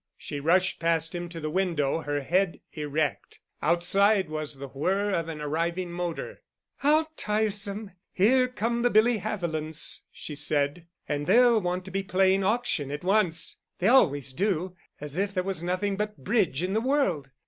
She rushed past him to the window, her head erect. Outside was the whirr of an arriving motor. "How tiresome. Here come the Billy Havilands," she said, "and they'll want to be playing 'Auction' at once. They always do. As if there was nothing but 'Bridge' in the world!"